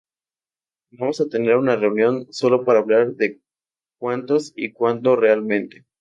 Vamos a tener una reunión, sólo para hablar de cuántos y cuándo realmente.